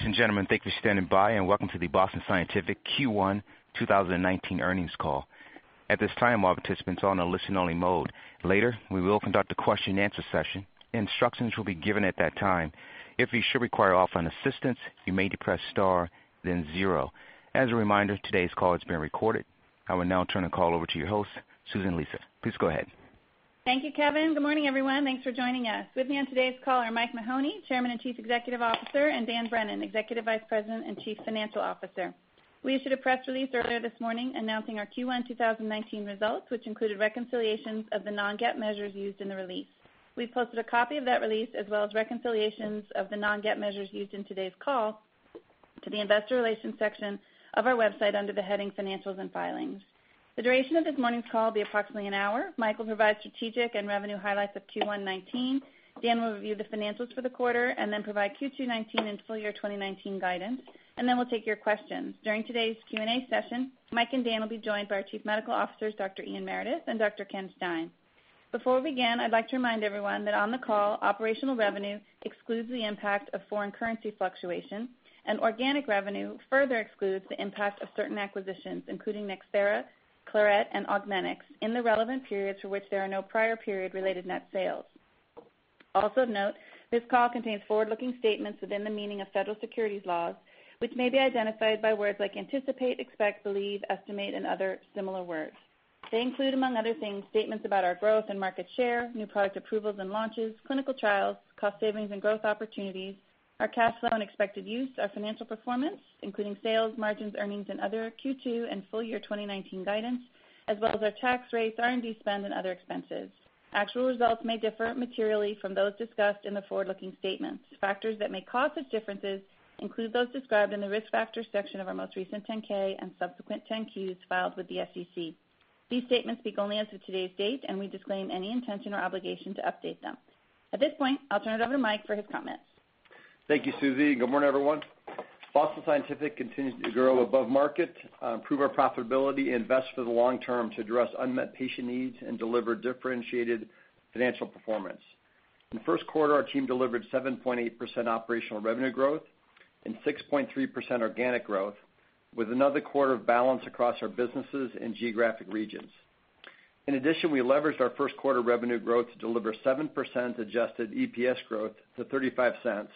Ladies and gentlemen, thank you for standing by, and welcome to the Boston Scientific Q1 2019 earnings call. At this time, all participants are on a listen-only mode. Later, we will conduct a question and answer session. Instructions will be given at that time. If you should require offline assistance, you may depress star then zero. As a reminder, today's call is being recorded. I will now turn the call over to your host, Susan Lisa. Please go ahead. Thank you, Kevin. Good morning, everyone. Thanks for joining us. With me on today's call are Mike Mahoney, Chairman and Chief Executive Officer. Dan Brennan, Executive Vice President and Chief Financial Officer. We issued a press release earlier this morning announcing our Q1 2019 results, which included reconciliations of the non-GAAP measures used in the release. We've posted a copy of that release, as well as reconciliations of the non-GAAP measures used in today's call to the investor relations section of our website under the heading Financials and Filings. The duration of this morning's call will be approximately an hour. Mike will provide strategic and revenue highlights of Q1 '19. Dan will review the financials for the quarter. Then provide Q2 '19 and full year 2019 guidance. Then we'll take your questions. During today's Q&A session, Mike and Dan will be joined by our Chief Medical Officers, Dr. Ian Meredith and Dr. Ken Stein. Before we begin, I'd like to remind everyone that on the call, operational revenue excludes the impact of foreign currency fluctuation. Organic revenue further excludes the impact of certain acquisitions, including NxThera, Claret, and Augmenix in the relevant periods for which there are no prior period related net sales. Note, this call contains forward-looking statements within the meaning of federal securities laws, which may be identified by words like anticipate, expect, believe, estimate, and other similar words. They include, among other things, statements about our growth and market share, new product approvals and launches, clinical trials, cost savings and growth opportunities, our cash flow and expected use, our financial performance, including sales, margins, earnings, and other Q2 and full year 2019 guidance, as well as our tax rates, R&D spend, and other expenses. Actual results may differ materially from those discussed in the forward-looking statements. Factors that may cause such differences include those described in the Risk Factors section of our most recent 10-K and subsequent 10-Qs filed with the SEC. These statements speak only as of today's date. We disclaim any intention or obligation to update them. At this point, I'll turn it over to Mike for his comments. Thank you, Susie. Good morning, everyone. Boston Scientific continues to grow above market, improve our profitability, invest for the long term to address unmet patient needs, and deliver differentiated financial performance. In the first quarter, our team delivered 7.8% operational revenue growth and 6.3% organic growth with another quarter of balance across our businesses and geographic regions. In addition, we leveraged our first quarter revenue growth to deliver 7% adjusted EPS growth to $0.35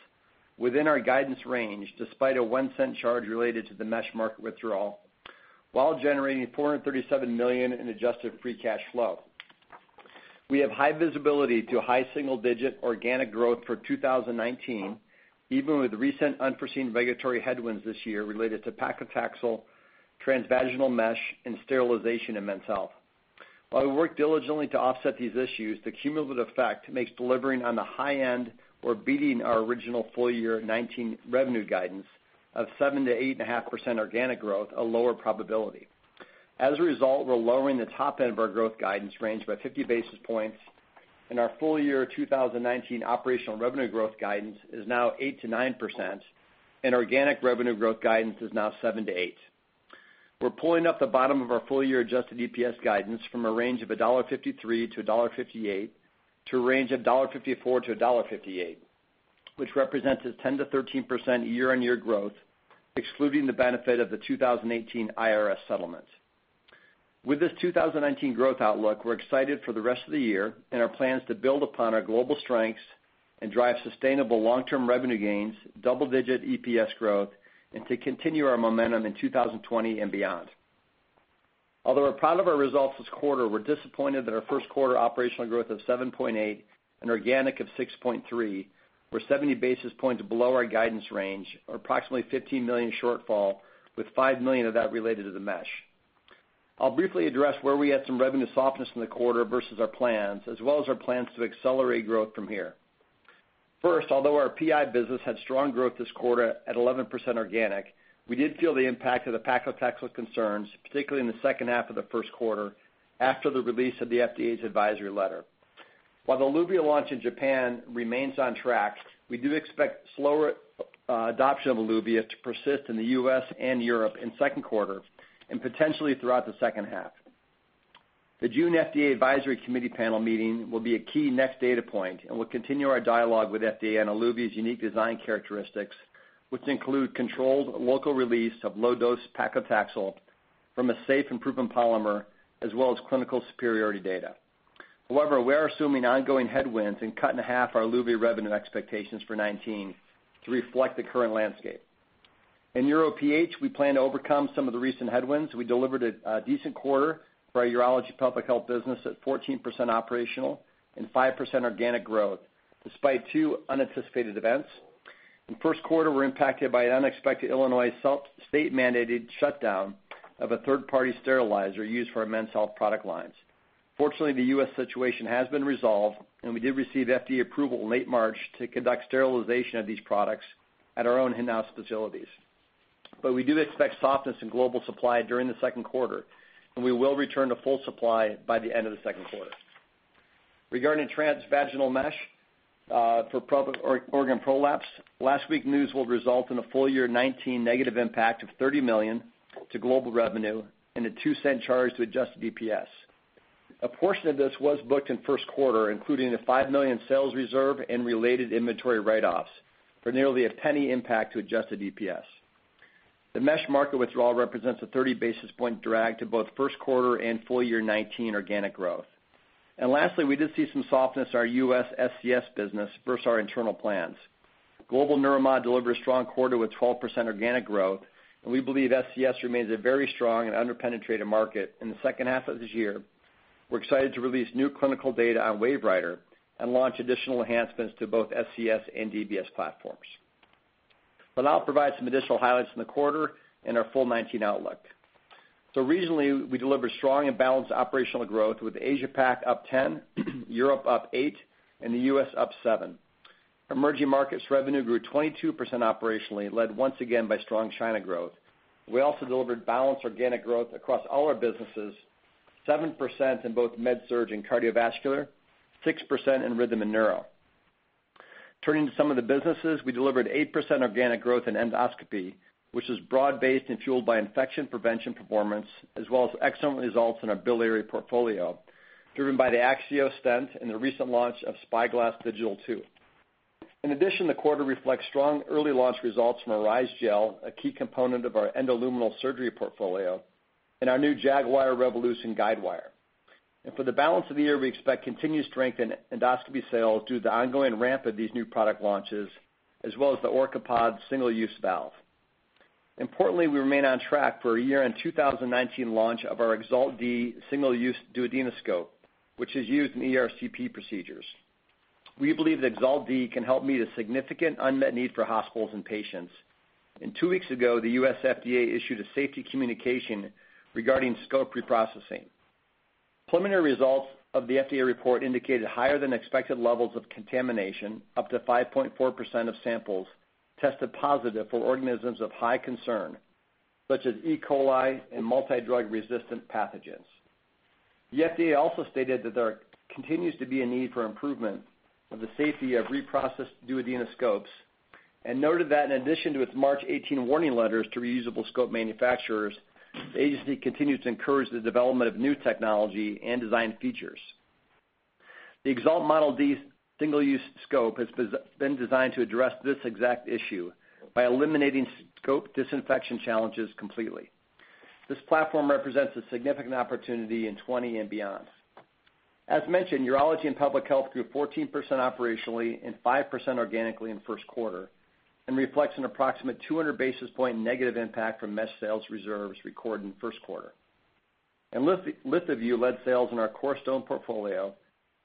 within our guidance range, despite a $0.01 charge related to the mesh market withdrawal while generating $437 million in adjusted free cash flow. We have high visibility to high single-digit organic growth for 2019, even with recent unforeseen regulatory headwinds this year related to paclitaxel, transvaginal mesh, and sterilization in Men's Health. While we work diligently to offset these issues, the cumulative effect makes delivering on the high end or beating our original full-year 2019 revenue guidance of 7%-8.5% organic growth a lower probability. As a result, we're lowering the top end of our growth guidance range by 50 basis points, and our full-year 2019 operational revenue growth guidance is now 8%-9%, and organic revenue growth guidance is now 7%-8%. We're pulling up the bottom of our full-year adjusted EPS guidance from a range of $1.53-$1.58 to a range of $1.54-$1.58, which represents a 10%-13% year-over-year growth, excluding the benefit of the 2018 IRS settlement. With this 2019 growth outlook, we're excited for the rest of the year and our plans to build upon our global strengths and drive sustainable long-term revenue gains, double-digit EPS growth, and to continue our momentum in 2020 and beyond. Although we're proud of our results this quarter, we're disappointed that our first quarter operational growth of 7.8% and organic of 6.3% were 70 basis points below our guidance range, or approximately $15 million shortfall, with $5 million of that related to the mesh. I'll briefly address where we had some revenue softness in the quarter versus our plans as well as our plans to accelerate growth from here. First, although our PI business had strong growth this quarter at 11% organic, we did feel the impact of the paclitaxel concerns, particularly in the second half of the first quarter after the release of the FDA's advisory letter. While the ELUVIA launch in Japan remains on track, we do expect slower adoption of ELUVIA to persist in the U.S. and Europe in second quarter and potentially throughout the second half. The June FDA advisory committee panel meeting will be a key next data point, and we'll continue our dialogue with FDA on ELUVIA's unique design characteristics, which include controlled local release of low-dose paclitaxel from a safe and proven polymer, as well as clinical superiority data. However, we are assuming ongoing headwinds and cutting half our ELUVIA revenue expectations for 2019 to reflect the current landscape. In UroPH, we plan to overcome some of the recent headwinds. We delivered a decent quarter for our urology pelvic health business at 14% operational and 5% organic growth, despite two unanticipated events. In the first quarter, we're impacted by an unexpected Illinois state-mandated shutdown of a third-party sterilizer used for our Men's Health product lines. Fortunately, the U.S. situation has been resolved, and we did receive FDA approval in late March to conduct sterilization of these products at our own in-house facilities. We do expect softness in global supply during the second quarter, and we will return to full supply by the end of the second quarter. Regarding transvaginal mesh for organ prolapse, last week's news will result in a full-year 2019 negative impact of $30 million to global revenue and a $0.02 charge to adjusted EPS. A portion of this was booked in first quarter, including the $5 million sales reserve and related inventory write-offs for nearly a $0.01 impact to adjusted EPS. The mesh market withdrawal represents a 30 basis point drag to both first quarter and full year 2019 organic growth. Lastly, we did see some softness in our U.S. SCS business versus our internal plans. Global Neuromod delivered a strong quarter with 12% organic growth, and we believe SCS remains a very strong and under-penetrated market. In the second half of this year, we're excited to release new clinical data on WaveWriter and launch additional enhancements to both SCS and DBS platforms. I'll now provide some additional highlights from the quarter and our full 2019 outlook. Recently, we delivered strong and balanced operational growth with Asia Pac up 10%, Europe up 8%, and the U.S. up 7%. Emerging markets revenue grew 22% operationally, led once again by strong China growth. We also delivered balanced organic growth across all our businesses, 7% in both Med-Surg and cardiovascular, 6% in rhythm and neuro. Turning to some of the businesses, we delivered 8% organic growth in endoscopy, which is broad-based and fueled by infection prevention performance, as well as excellent results in our biliary portfolio, driven by the AXIOS stent and the recent launch of SpyGlass DS II. In addition, the quarter reflects strong early launch results from Orise Gel, a key component of our endoluminal surgery portfolio, and our new Jagwire Revolution guidewire. For the balance of the year, we expect continued strength in endoscopy sales due to the ongoing ramp of these new product launches, as well as the OrcaPod single-use valve. Importantly, we remain on track for a year-end 2019 launch of our EXALT Model D single-use duodenoscope, which is used in ERCP procedures. We believe that EXALT Model D can help meet a significant unmet need for hospitals and patients. Two weeks ago, the U.S. FDA issued a safety communication regarding scope reprocessing. Preliminary results of the FDA report indicated higher than expected levels of contamination, up to 5.4% of samples tested positive for organisms of high concern, such as E. coli and multi-drug resistant pathogens. The FDA also stated that there continues to be a need for improvement of the safety of reprocessed duodenoscopes, and noted that in addition to its March 2018 warning letters to reusable scope manufacturers, the agency continues to encourage the development of new technology and design features. The EXALT Model D single-use scope has been designed to address this exact issue by eliminating scope disinfection challenges completely. This platform represents a significant opportunity in 2020 and beyond. As mentioned, Urology and Pelvic Health grew 14% operationally and 5% organically in the first quarter and reflects an approximate 200 basis point negative impact from mesh sales reserves recorded in the first quarter. LithoVue led sales in our core stone portfolio,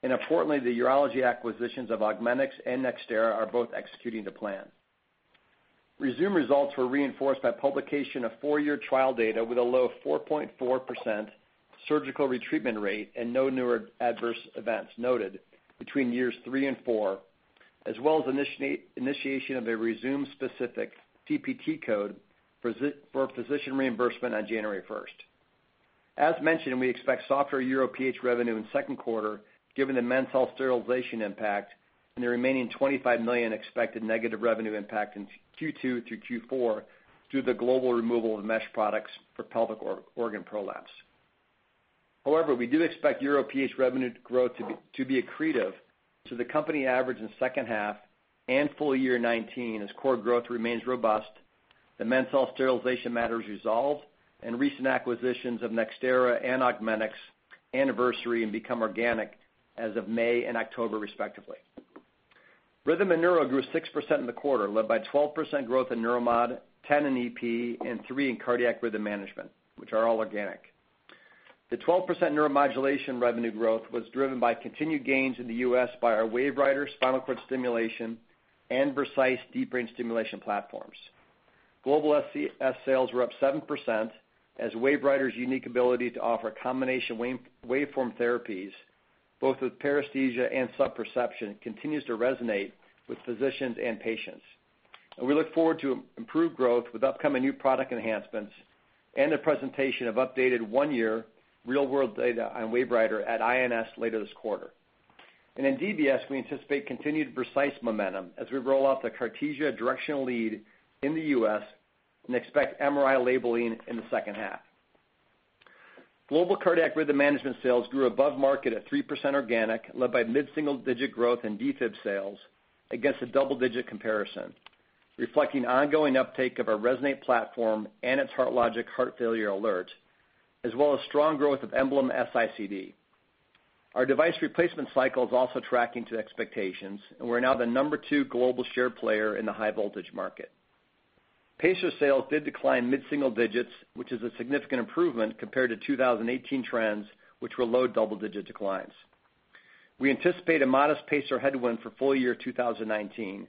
and importantly, the urology acquisitions of Augmenix and NxThera are both executing to plan. Rezūm results were reinforced by publication of four-year trial data with a low of 4.4% surgical retreatment rate and no new adverse events noted between years three and four, as well as initiation of a Rezūm specific CPT code for physician reimbursement on January 1st. As mentioned, we expect softer UroPH revenue in the second quarter given the Sterigenics sterilization impact and the remaining $25 million expected negative revenue impact in Q2 through Q4 due to the global removal of mesh products for pelvic organ prolapse. We do expect UroPH revenue growth to be accretive to the company average in the second half and full year 2019 as core growth remains robust, the Sterigenics sterilization matter is resolved, and recent acquisitions of NxThera and Augmenix anniversary and become organic as of May and October respectively. Rhythm and Neuro grew 6% in the quarter, led by 12% growth in Neuromod, 10% in EP, and 3% in cardiac rhythm management, which are all organic. The 12% Neuromodulation revenue growth was driven by continued gains in the U.S. by our WaveWriter spinal cord stimulation and Vercise deep brain stimulation platforms. Global SCS sales were up 7% as WaveWriter's unique ability to offer combination waveform therapies, both with paresthesia and sub-perception, continues to resonate with physicians and patients. We look forward to improved growth with upcoming new product enhancements and the presentation of updated one-year real-world data on WaveWriter at INS later this quarter. In DBS, we anticipate continued Vercise momentum as we roll out the Cartesia directional lead in the U.S. and expect MRI labeling in the second half. Global cardiac rhythm management sales grew above market at 3% organic, led by mid-single-digit growth in Defib sales against a double-digit comparison, reflecting ongoing uptake of our Resonate platform and its HeartLogic heart failure alert, as well as strong growth of EMBLEM S-ICD. Our device replacement cycle is also tracking to expectations, and we're now the number two global share player in the high voltage market. Pacer sales did decline mid-single digits, which is a significant improvement compared to 2018 trends, which were low double-digit declines. We anticipate a modest pacer headwind for full year 2019,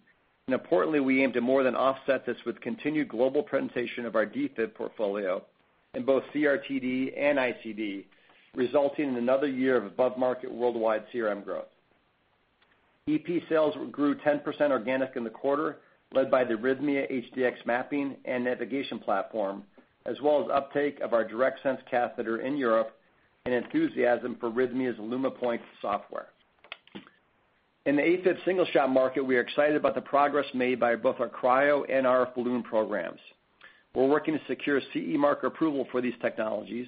and importantly, we aim to more than offset this with continued global penetration of our Defib portfolio in both CRT-D and ICD, resulting in another year of above-market worldwide CRM growth. EP sales grew 10% organic in the quarter, led by the RHYTHMIA HDx mapping and navigation platform, as well as uptake of our DirectSense catheter in Europe and enthusiasm for RHYTHMIA's LUMIPOINT software. In the AFib single shot market, we are excited about the progress made by both our Cryo and our balloon programs. We're working to secure CE mark approval for these technologies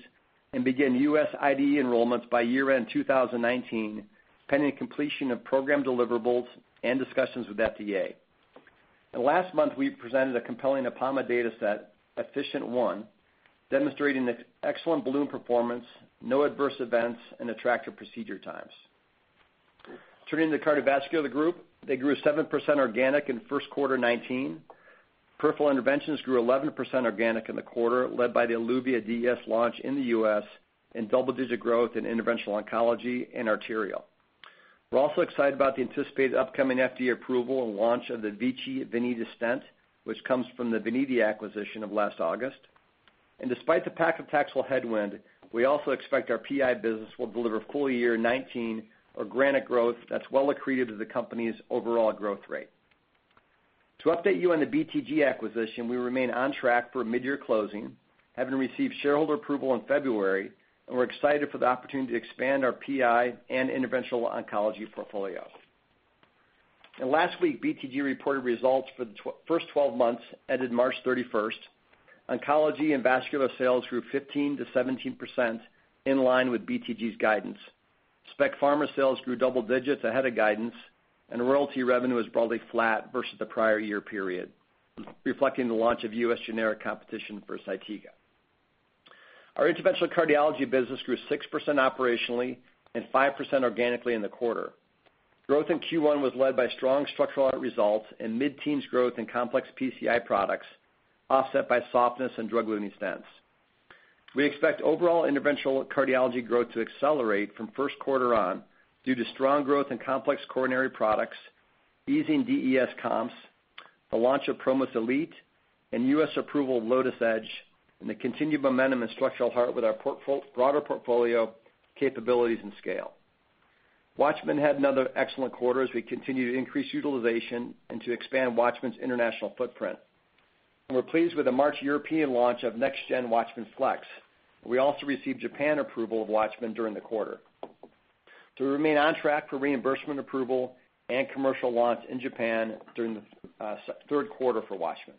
and begin U.S. IDE enrollments by year-end 2019, pending completion of program deliverables and discussions with FDA. Last month, we presented a compelling Apama data set, AF-FICIENT 1, demonstrating excellent balloon performance, no adverse events, and attractive procedure times. Turning to the cardiovascular group, they grew 7% organic in the first quarter 2019. Peripheral interventions grew 11% organic in the quarter, led by the ELUVIA DES launch in the U.S. and double-digit growth in interventional oncology and arterial. We're also excited about the anticipated upcoming FDA approval and launch of the VICI Venous Stent, which comes from the Veniti acquisition of last August. Despite the paclitaxel headwind, we also expect our PI business will deliver full-year 2019 organic growth that's well accretive to the company's overall growth rate. To update you on the BTG acquisition, we remain on track for mid-year closing, having received shareholder approval in February, and we're excited for the opportunity to expand our PI and interventional oncology portfolio. Last week, BTG reported results for the first 12 months ended March 31st. Oncology and vascular sales grew 15%-17%, in line with BTG's guidance. Specialty Pharma sales grew double digits ahead of guidance, and royalty revenue is broadly flat versus the prior year period, reflecting the launch of U.S. generic competition for Zytiga. Our interventional cardiology business grew 6% operationally and 5% organically in the quarter. Growth in Q1 was led by strong structural heart results and mid-teens growth in complex PCI products, offset by softness in drug-eluting stents. We expect overall interventional cardiology growth to accelerate from first quarter on due to strong growth in complex coronary products, easing DES comps, the launch of Promus ELITE and U.S. approval of LOTUS Edge, and the continued momentum in structural heart with our broader portfolio capabilities and scale. WATCHMAN had another excellent quarter as we continue to increase utilization and to expand WATCHMAN's international footprint. We're pleased with the March European launch of next-gen WATCHMAN FLX. We also received Japan approval of WATCHMAN during the quarter. We remain on track for reimbursement approval and commercial launch in Japan during the third quarter for WATCHMAN.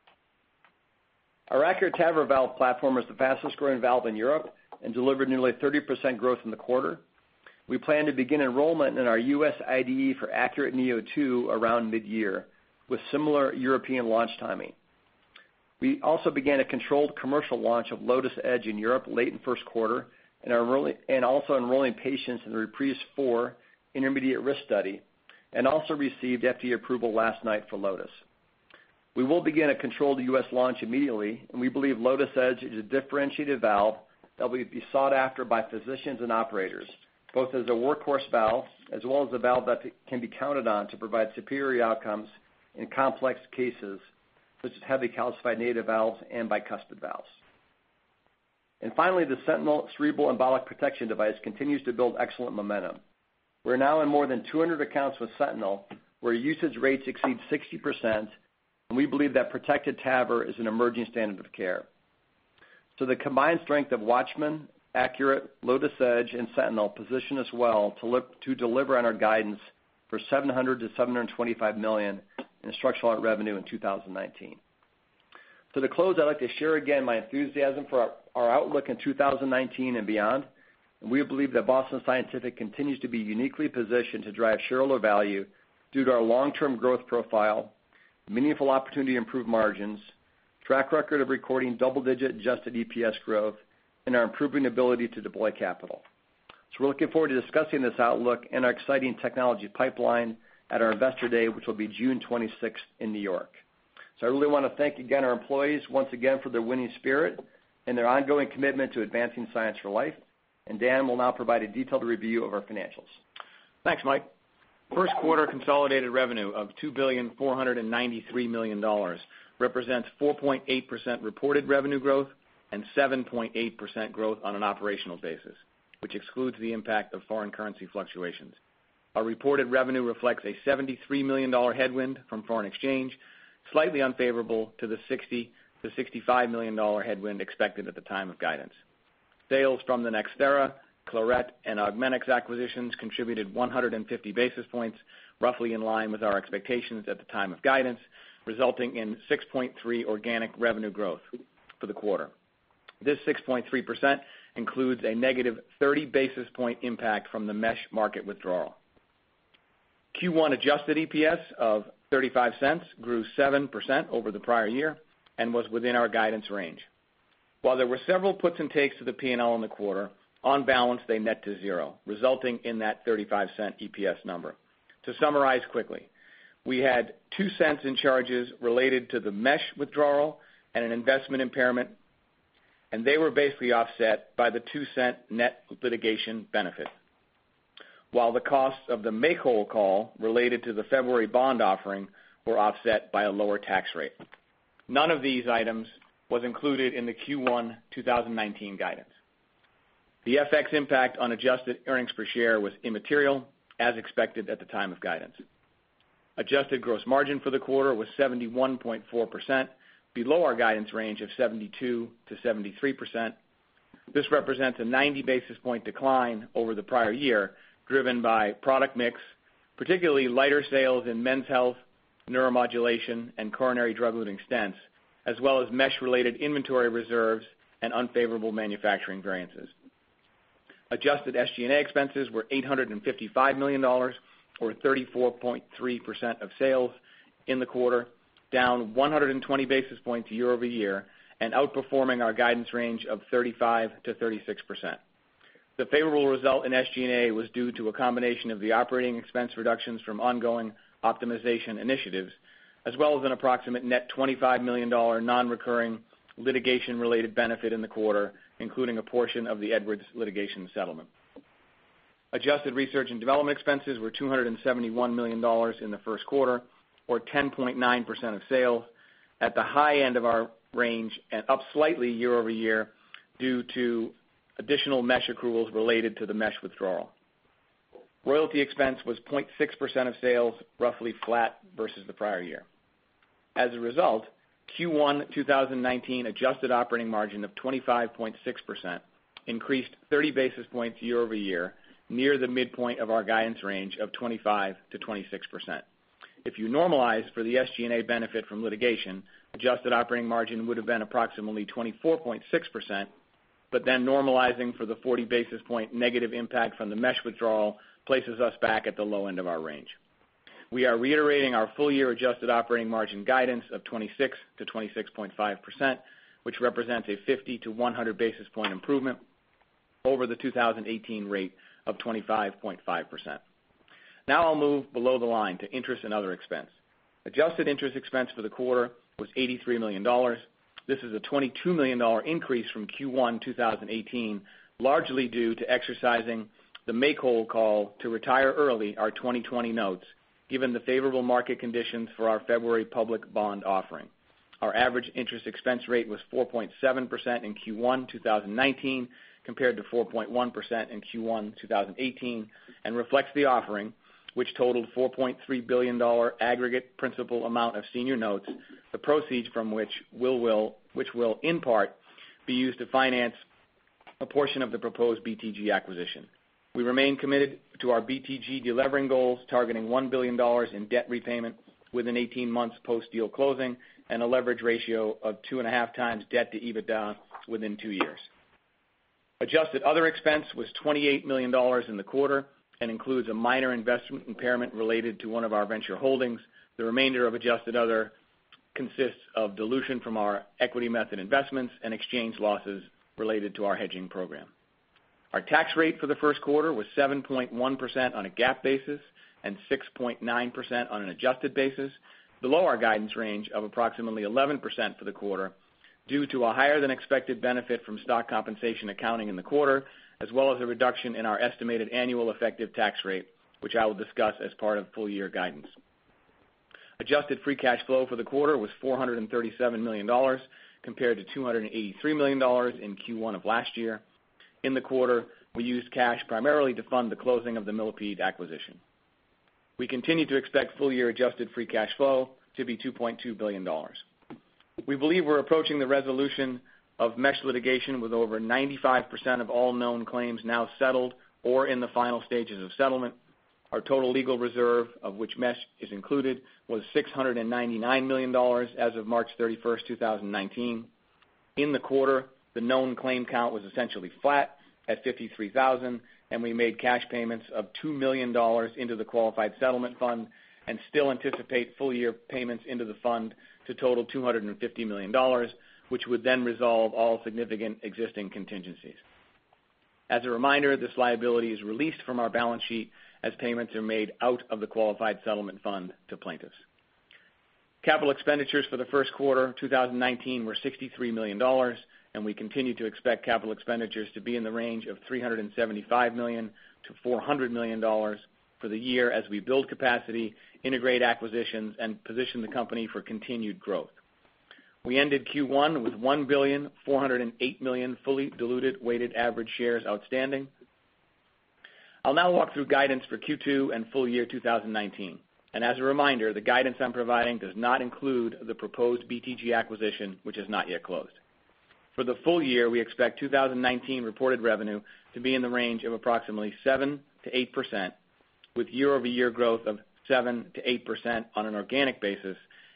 Our ACURATE TAVR valve platform is the fastest-growing valve in Europe and delivered nearly 30% growth in the quarter. We plan to begin enrollment in our U.S. IDE for ACURATE neo2 around mid-year, with similar European launch timing. We also began a controlled commercial launch of LOTUS Edge in Europe late in the first quarter and also enrolling patients in the REPRISE IV intermediate-risk study and also received FDA approval last night for LOTUS. We will begin a controlled U.S. launch immediately, and we believe LOTUS Edge is a differentiated valve that will be sought after by physicians and operators, both as a workhorse valve as well as a valve that can be counted on to provide superior outcomes in complex cases such as heavily calcified native valves and bicuspid valves. Finally, the SENTINEL cerebral embolic protection device continues to build excellent momentum. We're now in more than 200 accounts with SENTINEL, where usage rates exceed 60%, and we believe that protected TAVR is an emerging standard of care. The combined strength of WATCHMAN, ACURATE, LOTUS Edge, and SENTINEL position us well to deliver on our guidance for $700 million-$725 million in structural heart revenue in 2019. To close, I'd like to share again my enthusiasm for our outlook in 2019 and beyond. We believe that Boston Scientific continues to be uniquely positioned to drive shareholder value due to our long-term growth profile, meaningful opportunity to improve margins, track record of recording double-digit adjusted EPS growth, and our improving ability to deploy capital. We're looking forward to discussing this outlook and our exciting technology pipeline at our Investor Day, which will be June 26th in New York. I really want to thank again our employees once again for their winning spirit and their ongoing commitment to advancing science for life. Dan will now provide a detailed review of our financials. Thanks, Mike. First quarter consolidated revenue of $2.493 billion represents 4.8% reported revenue growth and 7.8% growth on an operational basis, which excludes the impact of foreign currency fluctuations. Our reported revenue reflects a $73 million headwind from foreign exchange, slightly unfavorable to the $60 million-$65 million headwind expected at the time of guidance. Sales from the NxThera, Claret, and Augmenix acquisitions contributed 150 basis points, roughly in line with our expectations at the time of guidance, resulting in 6.3% organic revenue growth for the quarter. This 6.3% includes a negative 30 basis point impact from the mesh market withdrawal. Q1 adjusted EPS of $0.35 grew 7% over the prior year and was within our guidance range. While there were several puts and takes to the P&L in the quarter, on balance they net to zero, resulting in that $0.35 EPS number. To summarize quickly, we had $0.02 in charges related to the mesh withdrawal and an investment impairment. They were basically offset by the $0.02 net litigation benefit. While the costs of the make-whole call related to the February bond offering were offset by a lower tax rate. None of these items was included in the Q1 2019 guidance. The FX impact on adjusted earnings per share was immaterial as expected at the time of guidance. Adjusted gross margin for the quarter was 71.4%, below our guidance range of 72%-73%. This represents a 90-basis-point decline over the prior year, driven by product mix, particularly lighter sales in Men's Health, neuromodulation, and coronary drug-eluting stents, as well as mesh-related inventory reserves and unfavorable manufacturing variances. Adjusted SG&A expenses were $855 million, or 34.3% of sales in the quarter, down 120 basis points year-over-year, outperforming our guidance range of 35%-36%. The favorable result in SG&A was due to a combination of the operating expense reductions from ongoing optimization initiatives, as well as an approximate net $25 million non-recurring litigation-related benefit in the quarter, including a portion of the Edwards litigation settlement. Adjusted research and development expenses were $271 million in the first quarter, or 10.9% of sales, at the high end of our range and up slightly year-over-year due to additional mesh accruals related to the mesh withdrawal. Royalty expense was 0.6% of sales, roughly flat versus the prior year. As a result, Q1 2019 adjusted operating margin of 25.6% increased 30 basis points year-over-year, near the midpoint of our guidance range of 25%-26%. If you normalize for the SG&A benefit from litigation, adjusted operating margin would've been approximately 24.6%, then normalizing for the 40-basis-point negative impact from the mesh withdrawal places us back at the low end of our range. We are reiterating our full-year adjusted operating margin guidance of 26%-26.5%, which represents a 50-100 basis point improvement over the 2018 rate of 25.5%. I'll move below the line to interest and other expense. Adjusted interest expense for the quarter was $83 million. This is a $22 million increase from Q1 2018, largely due to exercising the make-whole call to retire early our 2020 notes, given the favorable market conditions for our February public bond offering. Our average interest expense rate was 4.7% in Q1 2019, compared to 4.1% in Q1 2018, reflects the offering, which totaled $4.3 billion aggregate principal amount of senior notes, the proceeds from which will, in part, be used to finance a portion of the proposed BTG acquisition. We remain committed to our BTG de-levering goals, targeting $1 billion in debt repayment within 18 months post-deal closing and a leverage ratio of two and a half times debt to EBITDA within two years. Adjusted other expense was $28 million in the quarter includes a minor investment impairment related to one of our venture holdings. The remainder of adjusted other consists of dilution from our equity method investments and exchange losses related to our hedging program. Our tax rate for the first quarter was 7.1% on a GAAP basis and 6.9% on an adjusted basis, below our guidance range of approximately 11% for the quarter, due to a higher than expected benefit from stock compensation accounting in the quarter, as well as a reduction in our estimated annual effective tax rate, which I will discuss as part of full-year guidance. Adjusted free cash flow for the quarter was $437 million, compared to $283 million in Q1 of last year. In the quarter, we used cash primarily to fund the closing of the Millipede acquisition. We continue to expect full-year adjusted free cash flow to be $2.2 billion. We believe we're approaching the resolution of mesh litigation, with over 95% of all known claims now settled or in the final stages of settlement. Our total legal reserve, of which mesh is included, was $699 million as of March 31st, 2019. In the quarter, the known claim count was essentially flat at 53,000, we made cash payments of $2 million into the qualified settlement fund still anticipate full-year payments into the fund to total $250 million, which would resolve all significant existing contingencies. As a reminder, this liability is released from our balance sheet as payments are made out of the qualified settlement fund to plaintiffs. Capital expenditures for the first quarter 2019 were $63 million, we continue to expect capital expenditures to be in the range of $375 million-$400 million for the year as we build capacity, integrate acquisitions, and position the company for continued growth. We ended Q1 with 1,408,000,000 fully diluted weighted average shares outstanding. I'll now walk through guidance for Q2 and full year 2019. As a reminder, the guidance I'm providing does not include the proposed BTG acquisition, which has not yet closed. For the full year, we expect 2019 reported revenue to be in the range of approximately 7%-8%, with year-over-year growth of 7%-8% on an organic basis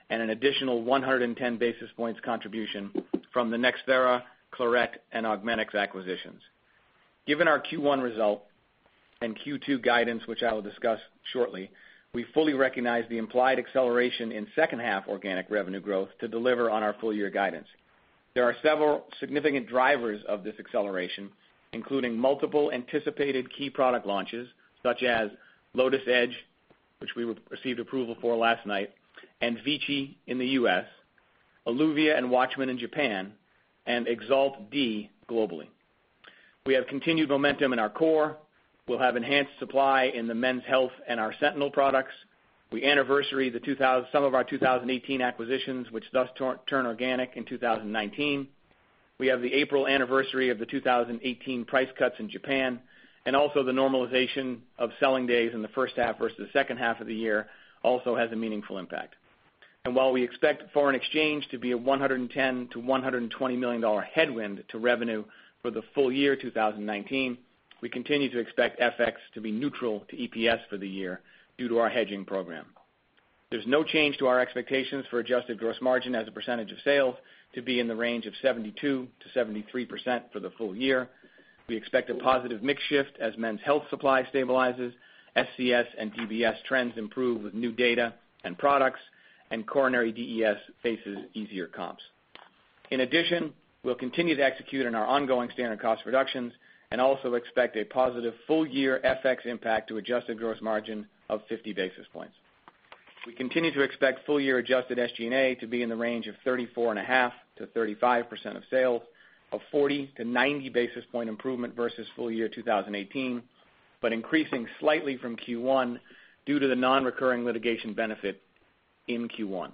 and an additional 110 basis points contribution from the NxThera, Claret, and Augmenix acquisitions. Given our Q1 result and Q2 guidance, which I will discuss shortly, we fully recognize the implied acceleration in second-half organic revenue growth to deliver on our full-year guidance. There are several significant drivers of this acceleration, including multiple anticipated key product launches, such as LOTUS Edge, which we received approval for last night, and VICI in the U.S., ELUVIA and WATCHMAN in Japan, and EXALT Model D globally. We have continued momentum in our core. We'll have enhanced supply in the Men's Health and our SENTINEL products. We anniversary some of our 2018 acquisitions, which thus turn organic in 2019. We have the April anniversary of the 2018 price cuts in Japan, and also the normalization of selling days in the first half versus the second half of the year also has a meaningful impact. While we expect FX to be a $110 million-$120 million headwind to revenue for the full year 2019, we continue to expect FX to be neutral to EPS for the year due to our hedging program. There's no change to our expectations for adjusted gross margin as a percentage of sales to be in the range of 72%-73% for the full year. We expect a positive mix shift as Men's Health supply stabilizes, SCS and DBS trends improve with new data and products, and coronary DES faces easier comps. In addition, we'll continue to execute on our ongoing standard cost reductions and also expect a positive full-year FX impact to adjusted gross margin of 50 basis points. We continue to expect full-year adjusted SG&A to be in the range of 34.5%-35% of sales, a 40-90 basis point improvement versus full-year 2018, but increasing slightly from Q1 due to the non-recurring litigation benefit in Q1.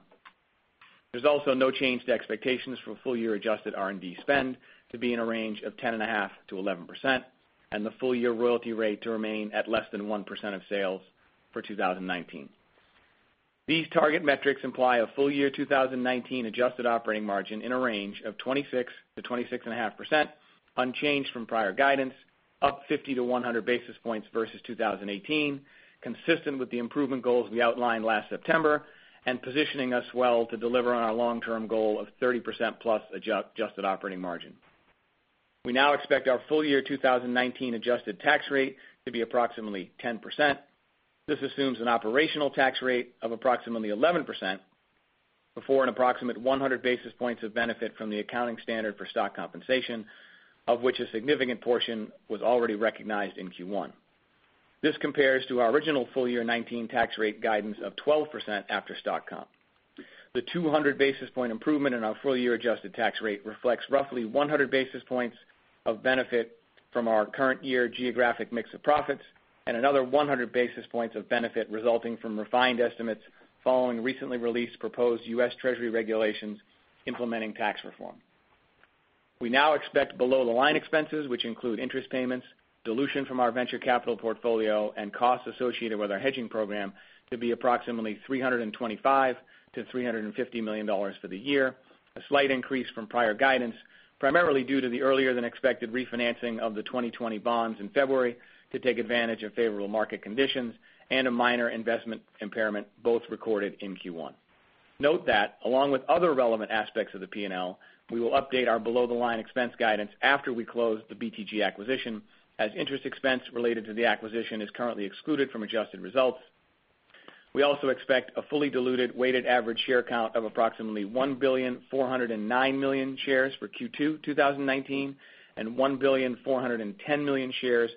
There's also no change to expectations for full-year adjusted R&D spend to be in a range of 10.5%-11%, and the full-year royalty rate to remain at less than 1% of sales for 2019. These target metrics imply a full-year 2019 adjusted operating margin in a range of 26%-26.5%, unchanged from prior guidance, up 50-100 basis points versus 2018, consistent with the improvement goals we outlined last September, and positioning us well to deliver on our long-term goal of 30%+ adjusted operating margin. We now expect our full-year 2019 adjusted tax rate to be approximately 10%. This assumes an operational tax rate of approximately 11% before an approximate 100 basis points of benefit from the accounting standard for stock compensation, of which a significant portion was already recognized in Q1. This compares to our original full-year 2019 tax rate guidance of 12% after stock comp. The 200 basis point improvement in our full-year adjusted tax rate reflects roughly 100 basis points of benefit from our current year geographic mix of profits and another 100 basis points of benefit resulting from refined estimates following recently released proposed U.S. Treasury regulations implementing tax reform. We now expect below-the-line expenses, which include interest payments, dilution from our venture capital portfolio, and costs associated with our hedging program, to be approximately $325 million to $350 million for the year, a slight increase from prior guidance, primarily due to the earlier-than-expected refinancing of the 2020 bonds in February to take advantage of favorable market conditions and a minor investment impairment, both recorded in Q1. Note that along with other relevant aspects of the P&L, we will update our below-the-line expense guidance after we close the BTG acquisition, as interest expense related to the acquisition is currently excluded from adjusted results. We also expect a fully diluted weighted average share count of approximately 1,409,000,000 shares for Q2 2019, and 1,410,000,000 shares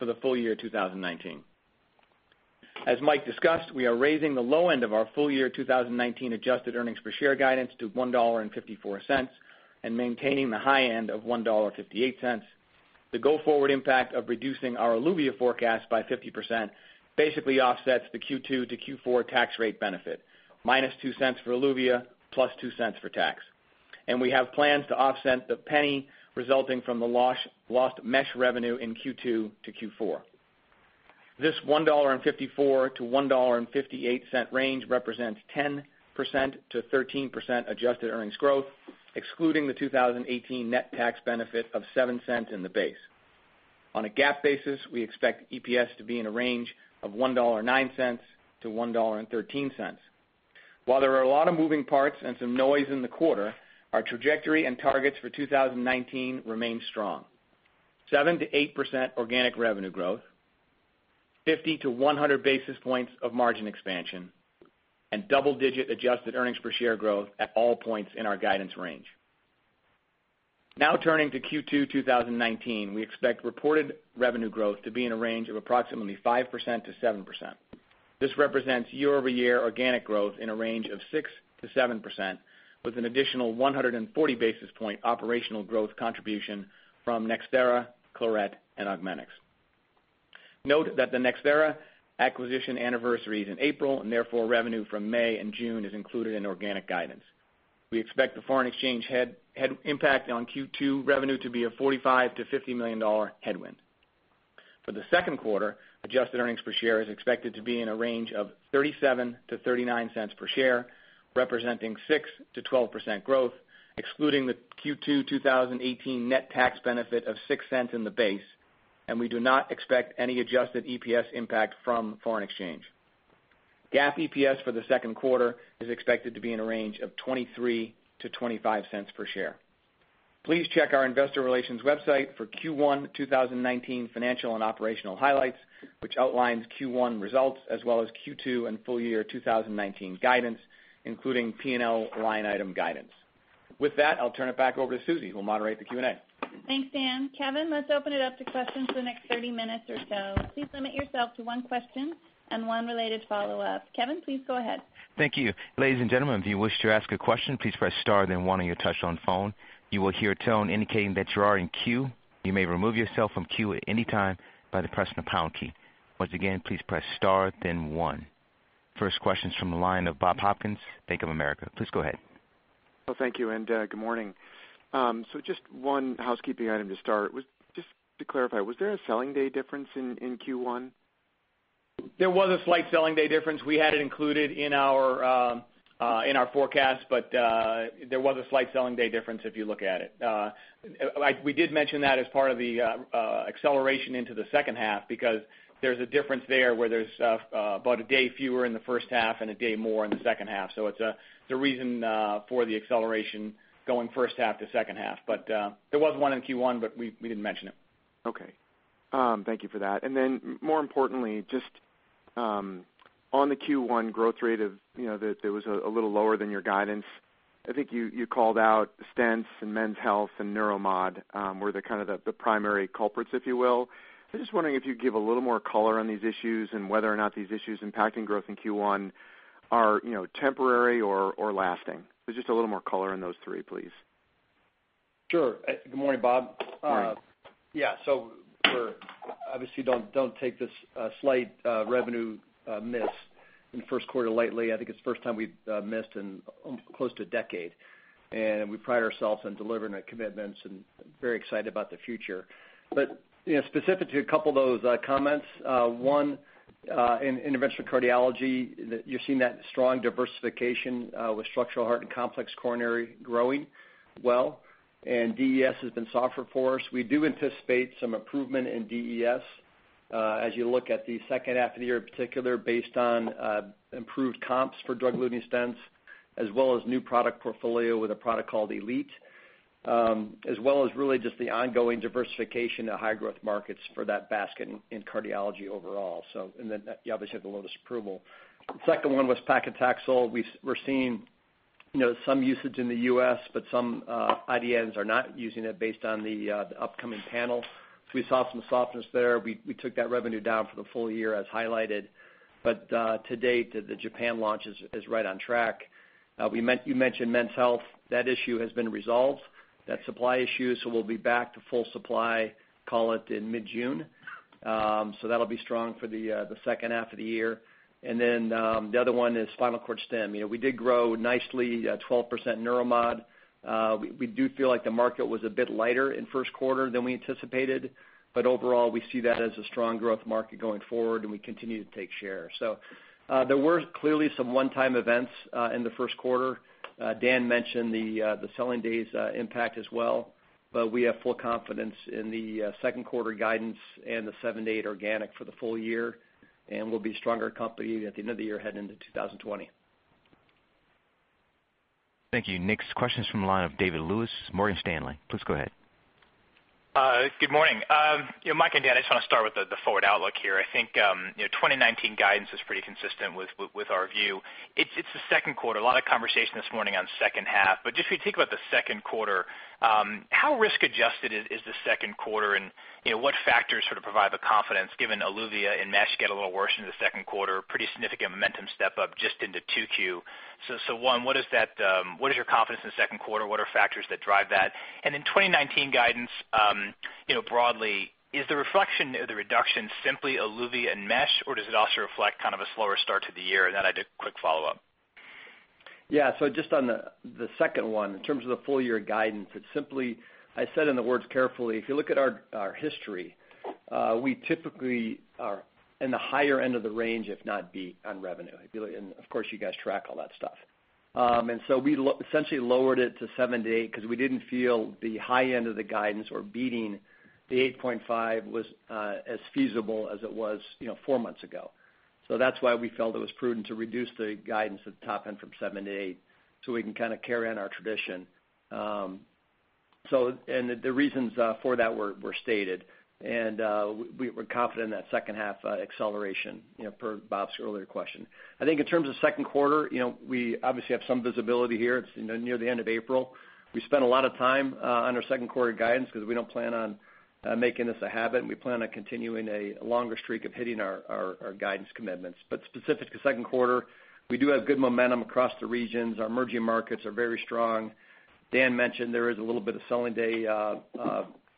for the full year 2019. As Mike discussed, we are raising the low end of our full-year 2019 adjusted earnings per share guidance to $1.54 and maintaining the high end of $1.58. The go-forward impact of reducing our ELUVIA forecast by 50% basically offsets the Q2 to Q4 tax rate benefit, minus $0.02 for ELUVIA, plus $0.02 for tax. We have plans to offset the $0.01 resulting from the lost mesh revenue in Q2 to Q4. This $1.54 to $1.58 range represents 10% to 13% adjusted earnings growth, excluding the 2018 net tax benefit of $0.07 in the base. On a GAAP basis, we expect EPS to be in a range of $1.09 to $1.13. While there are a lot of moving parts and some noise in the quarter, our trajectory and targets for 2019 remain strong. 7% to 8% organic revenue growth, 50 to 100 basis points of margin expansion, and double-digit adjusted earnings per share growth at all points in our guidance range. Turning to Q2 2019, we expect reported revenue growth to be in a range of approximately 5% to 7%. This represents year-over-year organic growth in a range of 6% to 7%, with an additional 140 basis point operational growth contribution from NxThera, Claret, and Augmenix. Note that the NxThera acquisition anniversary is in April, and therefore, revenue from May and June is included in organic guidance. We expect the foreign exchange head impact on Q2 revenue to be a $45 million to $50 million headwind. For the second quarter, adjusted earnings per share is expected to be in a range of $0.37 to $0.39 per share, representing 6% to 12% growth, excluding the Q2 2018 net tax benefit of $0.06 in the base, and we do not expect any adjusted EPS impact from foreign exchange. GAAP EPS for the second quarter is expected to be in a range of $0.23 to $0.25 per share. Please check our investor relations website for Q1 2019 financial and operational highlights, which outlines Q1 results as well as Q2 and full-year 2019 guidance, including P&L line item guidance. With that, I'll turn it back over to Susie, who will moderate the Q&A. Thanks, Dan. Kevin, let's open it up to questions for the next 30 minutes or so. Please limit yourself to one question and one related follow-up. Kevin, please go ahead. Thank you. Ladies and gentlemen, if you wish to ask a question, please press star then one on your touchtone phone. You will hear a tone indicating that you are in queue. You may remove yourself from queue at any time by pressing the pound key. Once again, please press star then one. First questions from the line of Bob Hopkins, Bank of America. Please go ahead. Well, thank you and good morning. Just one housekeeping item to start. Just to clarify, was there a selling day difference in Q1? There was a slight selling day difference. We had it included in our forecast, but there was a slight selling day difference if you look at it. We did mention that as part of the acceleration into the second half, because there's a difference there where there's about a day fewer in the first half and a day more in the second half. It's a reason for the acceleration going first half to second half. There was one in Q1, but we didn't mention it. Okay. Thank you for that. More importantly, just on the Q1 growth rate, it was a little lower than your guidance. I think you called out stents and Men's Health and Neuromod were the kind of the primary culprits, if you will. I'm just wondering if you could give a little more color on these issues and whether or not these issues impacting growth in Q1 are temporary or lasting. Just a little more color on those three, please. Sure. Good morning, Bob. Morning. We obviously don't take this slight revenue miss in the first quarter lightly. I think it's the first time we've missed in close to a decade, we pride ourselves on delivering the commitments and very excited about the future. Specific to a couple of those comments, one, interventional cardiology, you're seeing that strong diversification with structural heart and complex coronary growing well, DES has been softer for us. We do anticipate some improvement in DES as you look at the second half of the year, in particular, based on improved comps for drug-eluting stents, as well as new product portfolio with a product called ELITE, as well as really just the ongoing diversification of high growth markets for that basket in cardiology overall. You obviously have the Lotus approval. The second one was paclitaxel. We're seeing some usage in the U.S., some IDNs are not using it based on the upcoming panel. We saw some softness there. We took that revenue down for the full year as highlighted. To date, the Japan launch is right on track. You mentioned Men's Health. That issue has been resolved, that supply issue, we'll be back to full supply, call it in mid-June. That'll be strong for the second half of the year. The other one is spinal cord stim. We did grow nicely at 12% Neuromod. We do feel like the market was a bit lighter in first quarter than we anticipated, overall, we see that as a strong growth market going forward and we continue to take share. There were clearly some one-time events in the first quarter. Dan mentioned the selling days impact as well. We have full confidence in the second quarter guidance and the 7%-8% organic for the full year, and we'll be a stronger company at the end of the year heading into 2020. Thank you. Next question's from the line of David Lewis, Morgan Stanley. Please go ahead. Good morning. Mike and Dan, I just want to start with the forward outlook here. I think 2019 guidance is pretty consistent with our view. It's the second quarter, a lot of conversation this morning on second half. Just if you think about the second quarter, how risk-adjusted is the second quarter and what factors sort of provide the confidence given ELUVIA and mesh get a little worse into the second quarter, pretty significant momentum step up just into 2Q. One, what is your confidence in the second quarter? What are factors that drive that? 2019 guidance, broadly, is the reflection of the reduction simply ELUVIA and mesh, or does it also reflect kind of a slower start to the year? I had a quick follow-up. Just on the second one, in terms of the full year guidance, it's simply, I said in the words carefully. If you look at our history, we typically are in the higher end of the range, if not be on revenue. Of course, you guys track all that stuff. We essentially lowered it to 7%-8% because we didn't feel the high end of the guidance or beating the 8.5% was as feasible as it was 4 months ago. That's why we felt it was prudent to reduce the guidance at the top end from 7%-8%, so we can kind of carry on our tradition. The reasons for that were stated, and we're confident in that second half acceleration per Bob's earlier question. In terms of second quarter, we obviously have some visibility here. It's near the end of April. We spent a lot of time on our second quarter guidance because we don't plan on making this a habit, and we plan on continuing a longer streak of hitting our guidance commitments. Specific to second quarter, we do have good momentum across the regions. Our emerging markets are very strong. Dan mentioned there is a little bit of selling day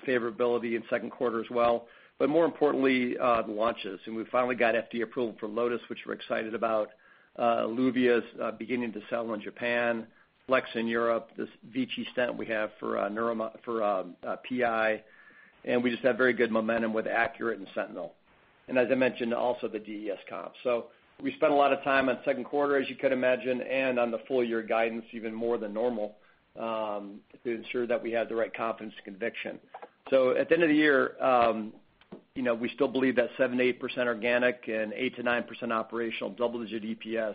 favorability in second quarter as well, but more importantly, the launches. We finally got FDA approval for Lotus, which we're excited about. ELUVIA is beginning to sell in Japan, FLX in Europe, this VICI stent we have for PI. We just have very good momentum with ACURATE and SENTINEL. As I mentioned, also the DES comps. We spent a lot of time on second quarter, as you could imagine, and on the full year guidance even more than normal to ensure that we have the right confidence and conviction. At the end of the year, we still believe that 7% to 8% organic and 8% to 9% operational double-digit EPS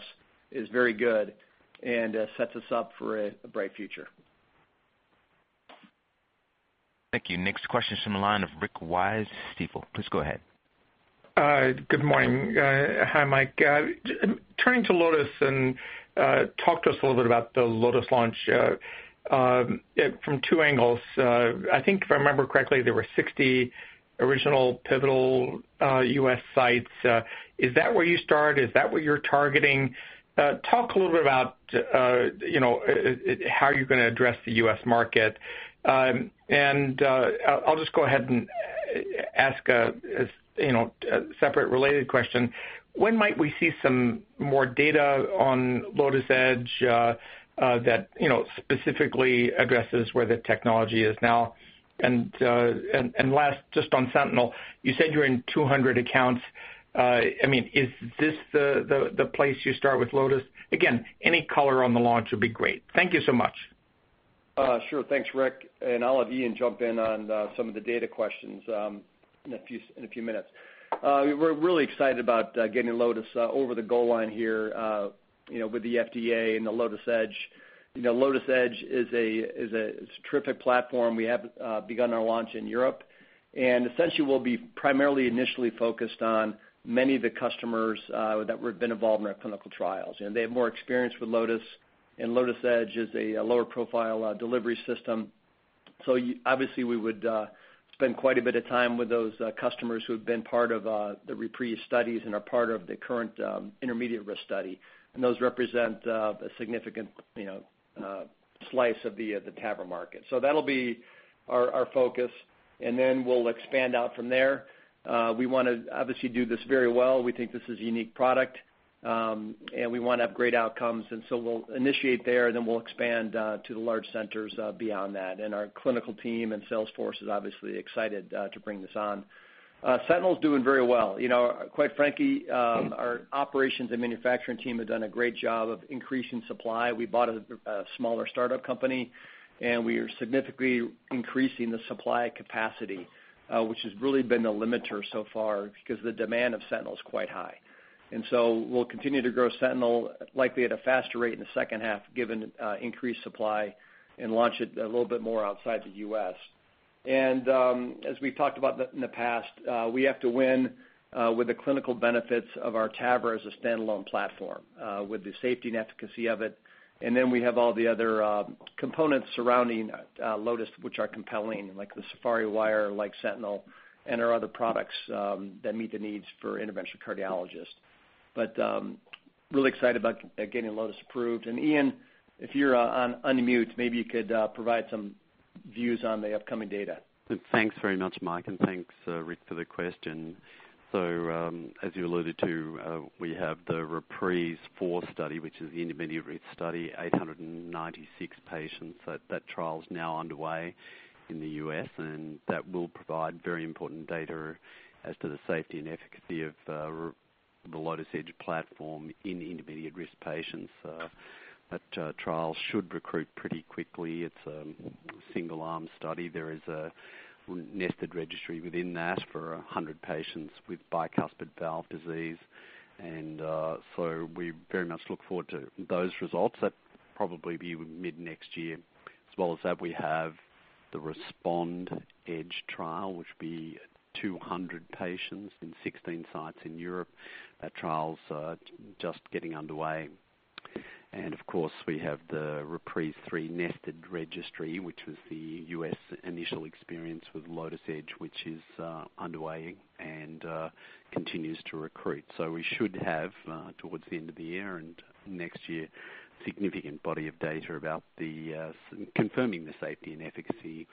is very good and sets us up for a bright future. Thank you. Next question's from the line of Rick Wise, Stifel. Please go ahead. Good morning. Hi, Mike. Turning to Lotus, talk to us a little bit about the Lotus launch from two angles. I think if I remember correctly, there were 60 original pivotal U.S. sites. Is that where you start? Is that what you're targeting? Talk a little bit about how you're going to address the U.S. market. Ask a separate related question. When might we see some more data on LOTUS Edge that specifically addresses where the technology is now? Last, just on SENTINEL, you said you're in 200 accounts. Is this the place you start with LOTUS? Again, any color on the launch would be great. Thank you so much. Sure. Thanks, Rick. I'll have Ian jump in on some of the data questions in a few minutes. We're really excited about getting LOTUS over the goal line here with the FDA and the LOTUS Edge. LOTUS Edge is a terrific platform. We have begun our launch in Europe, essentially we'll be primarily initially focused on many of the customers that have been involved in our clinical trials. They have more experience with LOTUS, and LOTUS Edge is a lower profile delivery system. Obviously we would spend quite a bit of time with those customers who have been part of the REPRISE studies and are part of the current intermediate-risk study. Those represent a significant slice of the TAVR market. That'll be our focus, and then we'll expand out from there. We want to obviously do this very well. We think this is a unique product, we want to have great outcomes. We'll initiate there, and then we'll expand to the large centers beyond that. Our clinical team and sales force is obviously excited to bring this on. SENTINEL's doing very well. Quite frankly, our operations and manufacturing team have done a great job of increasing supply. We bought a smaller startup company, we are significantly increasing the supply capacity, which has really been the limiter so far because the demand of SENTINEL is quite high. We'll continue to grow SENTINEL, likely at a faster rate in the second half, given increased supply, and launch it a little bit more outside the U.S. As we've talked about in the past, we have to win with the clinical benefits of our TAVR as a standalone platform with the safety and efficacy of it. We have all the other components surrounding LOTUS, which are compelling, like the Safari wire, like SENTINEL, and our other products that meet the needs for interventional cardiologists. Really excited about getting LOTUS approved. Ian, if you're on unmute, maybe you could provide some views on the upcoming data. Thanks very much, Mike, and thanks, Rick, for the question. As you alluded to, we have the REPRISE IV study, which is the intermediate-risk study, 896 patients. That trial is now underway in the U.S., and that will provide very important data as to the safety and efficacy of the LOTUS Edge platform in intermediate-risk patients. That trial should recruit pretty quickly. It's a single arm study. There is a nested registry within that for 100 patients with bicuspid valve disease. We very much look forward to those results. That'll probably be mid-next year. As well as that, we have the RESPOND EDGE trial, which will be 200 patients in 16 sites in Europe. That trial's just getting underway. We have the REPRISE III nested registry, which was the U.S. initial experience with LOTUS Edge, which is underway and continues to recruit. We should have, towards the end of the year and next year, significant body of data confirming the safety and efficacy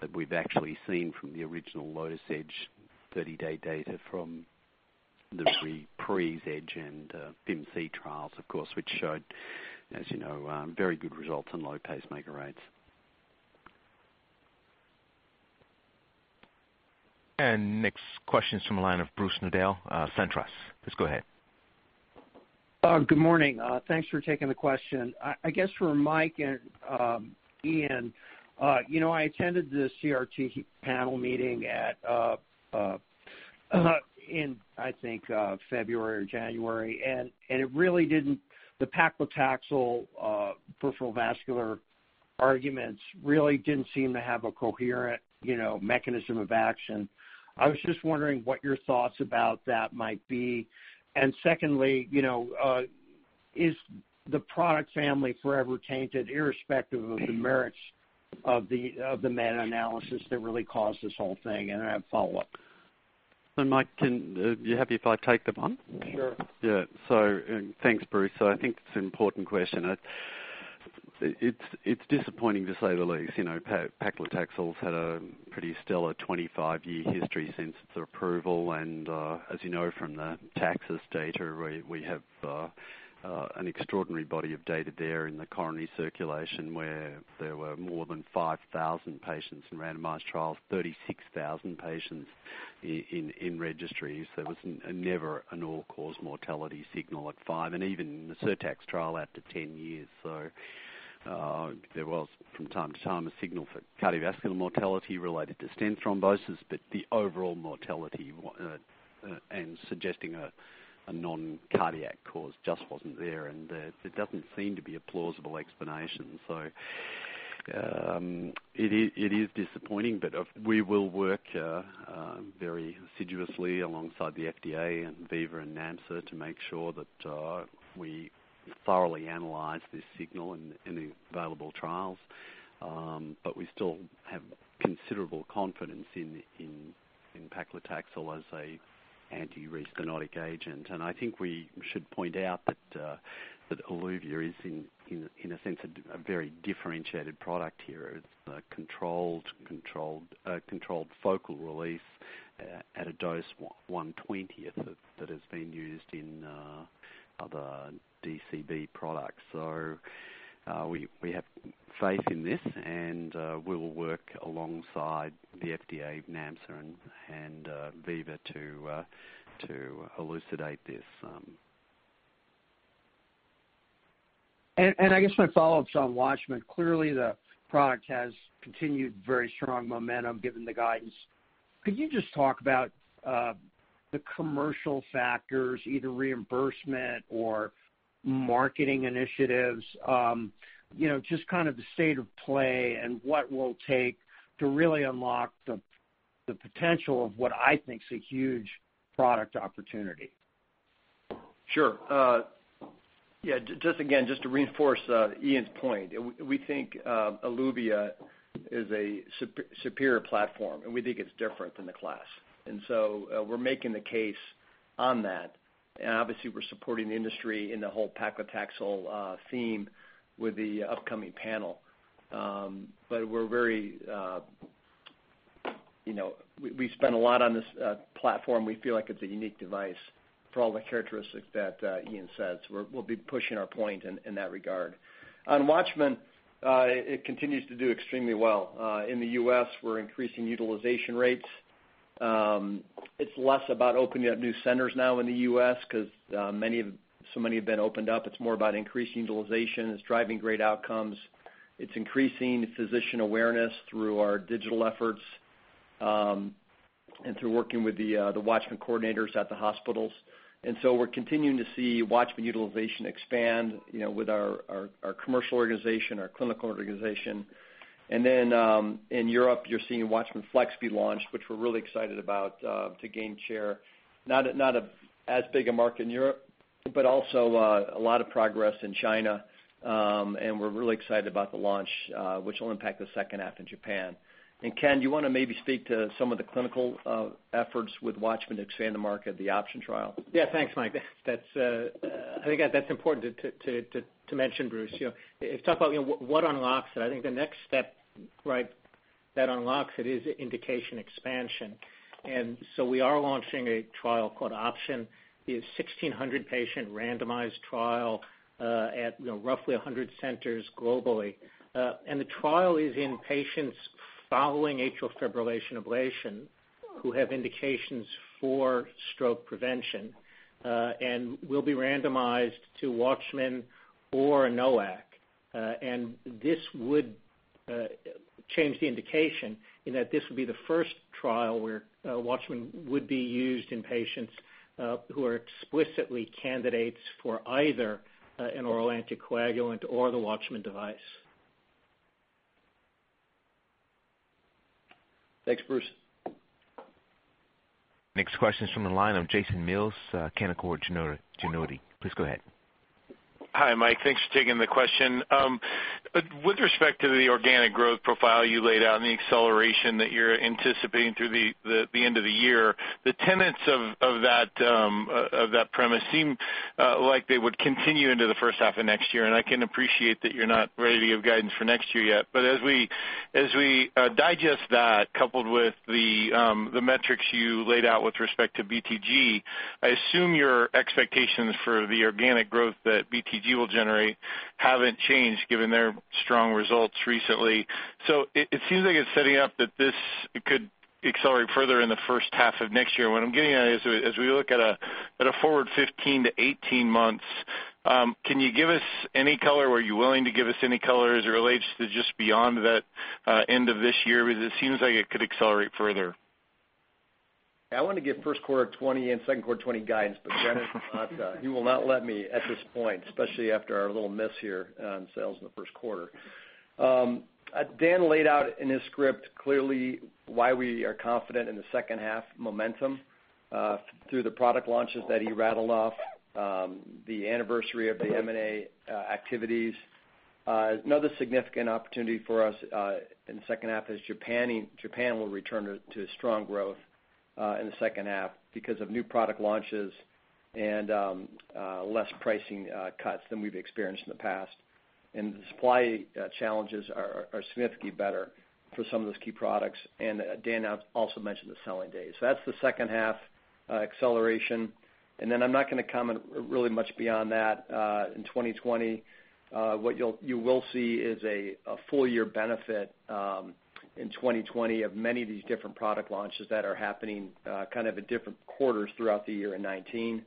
that we've actually seen from the original LOTUS Edge 30-day data from the REPRISE EDGE and BIMC trials, of course, which showed, as you know, very good results on low pacemaker rates. Next question's from the line of Bruce Nudell, SunTrust. Please go ahead. Good morning. Thanks for taking the question. I guess for Mike and Ian, I attended the CRT panel meeting in, I think, February or January. The paclitaxel peripheral vascular arguments really didn't seem to have a coherent mechanism of action. I was just wondering what your thoughts about that might be. Secondly, is the product family forever tainted irrespective of the merits of the meta-analysis that really caused this whole thing? I have follow-up. Mike, are you happy if I take that one? Sure. Yeah. Thanks, Bruce. I think it's an important question. It's disappointing to say the least. paclitaxel's had a pretty stellar 25-year history since its approval, and as you know from the TAXUS data, we have an extraordinary body of data there in the coronary circulation where there were more than 5,000 patients in randomized trials, 36,000 patients in registries. There was never an all-cause mortality signal at five, and even in the SIRTAX trial out to 10 years. There was from time to time a signal for cardiovascular mortality related to stent thrombosis, the overall mortality, and suggesting a non-cardiac cause just wasn't there, and there doesn't seem to be a plausible explanation. It is disappointing, but we will work very assiduously alongside the FDA and Viva and NAMSA to make sure that we thoroughly analyze this signal in the available trials. We still have considerable confidence in paclitaxel as a anti-restenotic agent. I think we should point out that ELUVIA is, in a sense, a very differentiated product here. It's a controlled focal release at a dose 1/20th that has been used in other DCB products. We have faith in this, and we will work alongside the FDA, NAMSA, and Viva to elucidate this. I guess my follow-up's on WATCHMAN. Clearly, the product has continued very strong momentum given the guidance. Could you just talk about the commercial factors, either reimbursement or marketing initiatives? Just kind of the state of play and what it will take to really unlock the potential of what I think is a huge product opportunity. Sure. Yeah, just again, just to reinforce Ian's point, we think ELUVIA is a superior platform, and we think it's different than the class. We're making the case on that. Obviously we're supporting the industry in the whole paclitaxel theme with the upcoming panel. We spent a lot on this platform. We feel like it's a unique device for all the characteristics that Ian says. We'll be pushing our point in that regard. On WATCHMAN, it continues to do extremely well. In the U.S., we're increasing utilization rates. It's less about opening up new centers now in the U.S. because so many have been opened up. It's more about increasing utilization. It's driving great outcomes. It's increasing physician awareness through our digital efforts, and through working with the WATCHMAN coordinators at the hospitals. We're continuing to see WATCHMAN utilization expand with our commercial organization, our clinical organization. Then in Europe, you're seeing WATCHMAN FLX be launched, which we're really excited about to gain share. Not as big a market in Europe. Also a lot of progress in China. We're really excited about the launch, which will impact the second half in Japan. Ken, do you want to maybe speak to some of the clinical efforts with WATCHMAN to expand the market, the OPTION trial? Thanks, Mike. I think that's important to mention, Bruce. If you talk about what unlocks it, I think the next step that unlocks it is indication expansion. We are launching a trial called OPTION. It is a 1,600 patient randomized trial at roughly 100 centers globally. The trial is in patients following atrial fibrillation ablation who have indications for stroke prevention and will be randomized to WATCHMAN or NOAC. This would change the indication in that this would be the first trial where WATCHMAN would be used in patients who are explicitly candidates for either an oral anticoagulant or the WATCHMAN device. Thanks, Bruce. Next question's from the line of Jason Mills, Canaccord Genuity. Please go ahead. Hi, Mike, thanks for taking the question. With respect to the organic growth profile you laid out and the acceleration that you're anticipating through the end of the year, the tenets of that premise seem like they would continue into the first half of next year. I can appreciate that you're not ready to give guidance for next year yet. As we digest that, coupled with the metrics you laid out with respect to BTG, I assume your expectations for the organic growth that BTG will generate haven't changed given their strong results recently. It seems like it's setting up that this could accelerate further in the first half of next year. What I'm getting at is as we look at a forward 15 to 18 months, can you give us any color? Were you willing to give us any color as it relates to just beyond that end of this year? It seems like it could accelerate further. I want to give first quarter of 2020 and second quarter of 2020 guidance, but Dan he will not let me at this point, especially after our little miss here on sales in the first quarter. Dan laid out in his script clearly why we are confident in the second half momentum through the product launches that he rattled off, the anniversary of the M&A activities. Another significant opportunity for us in the second half is Japan will return to strong growth in the second half because of new product launches and less pricing cuts than we've experienced in the past. The supply challenges are significantly better for some of those key products. Dan also mentioned the selling days. That's the second half acceleration. I'm not going to comment really much beyond that in 2020. What you will see is a full year benefit in 2020 of many of these different product launches that are happening kind of in different quarters throughout the year in 2019.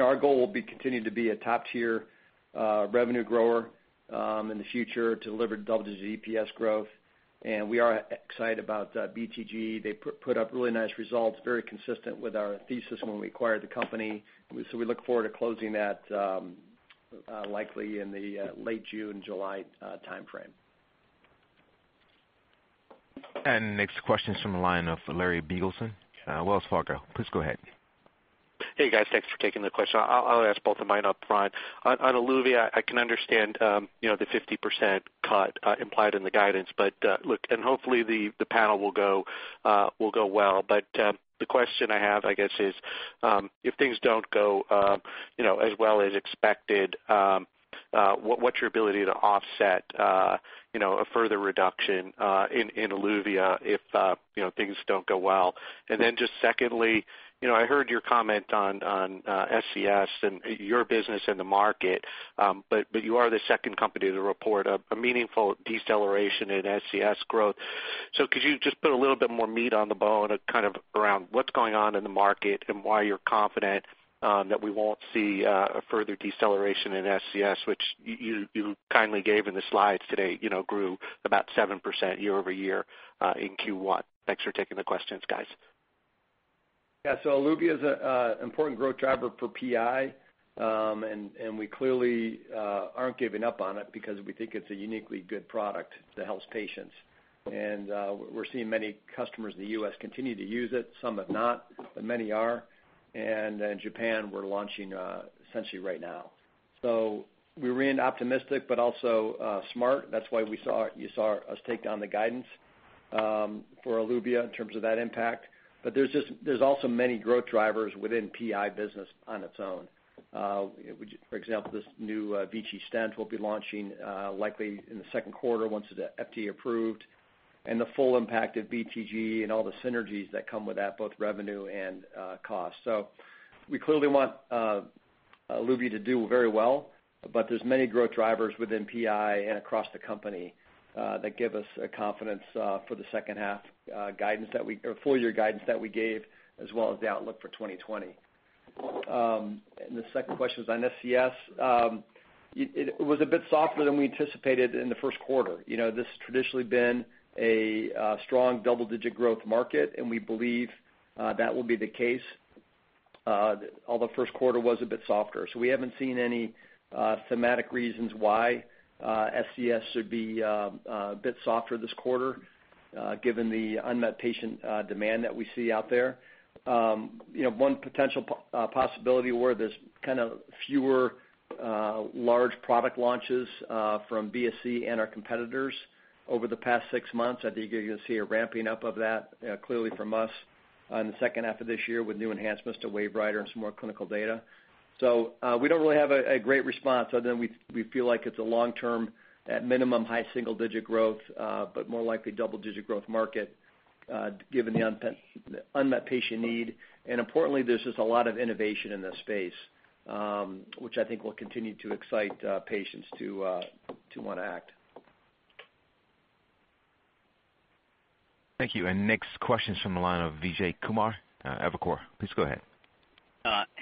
Our goal will be continuing to be a top-tier revenue grower in the future to deliver double-digit EPS growth. We are excited about BTG. They put up really nice results, very consistent with our thesis when we acquired the company. We look forward to closing that likely in the late June, July timeframe. Next question's from the line of Larry Biegelsen, Wells Fargo. Please go ahead. Hey, guys. Thanks for taking the question. I'll ask both of mine up front. On ELUVIA, I can understand the 50% cut implied in the guidance. Look, and hopefully the panel will go well. The question I have, I guess, is if things don't go as well as expected, what's your ability to offset a further reduction in ELUVIA if things don't go well. Just secondly, I heard your comment on SCS and your business in the market, you are the second company to report a meaningful deceleration in SCS growth. Could you just put a little bit more meat on the bone kind of around what's going on in the market and why you're confident that we won't see a further deceleration in SCS, which you kindly gave in the slides today, grew about 7% year-over-year in Q1. Thanks for taking the questions, guys. Yeah. ELUVIA is an important growth driver for PI. We clearly aren't giving up on it because we think it's a uniquely good product that helps patients. We're seeing many customers in the U.S. continue to use it. Some have not, but many are. In Japan, we're launching essentially right now. We remain optimistic but also smart. That's why you saw us take down the guidance for ELUVIA in terms of that impact. There's also many growth drivers within PI business on its own. For example, this new VICI stent will be launching likely in the second quarter once it is FDA approved, and the full impact of BTG and all the synergies that come with that, both revenue and cost. We clearly want ELUVIA to do very well, but there's many growth drivers within PI and across the company that give us confidence for the second half full year guidance that we gave as well as the outlook for 2020. The second question is on SCS. It was a bit softer than we anticipated in the first quarter. This has traditionally been a strong double-digit growth market, and we believe that will be the case, although first quarter was a bit softer. We haven't seen any thematic reasons why SCS should be a bit softer this quarter given the unmet patient demand that we see out there. One potential possibility where there's kind of fewer large product launches from BSC and our competitors over the past six months. I think you're going to see a ramping up of that clearly from us in the second half of this year with new enhancements to WaveWriter and some more clinical data. We don't really have a great response other than we feel like it's a long term, at minimum high single-digit growth, but more likely double-digit growth market given the unmet patient need. Importantly, there's just a lot of innovation in this space, which I think will continue to excite patients to want to act. Thank you. Next question is from the line of Vijay Kumar, Evercore, please go ahead.